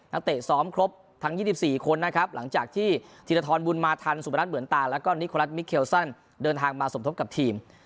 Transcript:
เตะซ้อมครบทั้ง๒๔คนนะครับหลังจากที่ธีรทรบุญมาทันสุบรัฐเหมือนตาแล้วก็นิโครัฐมิเคลซันเดินทางมาสมทบกับทีม